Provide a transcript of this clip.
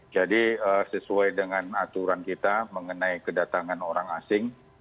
jadi sesuai dengan aturan kita mengenai kedatangan orang asing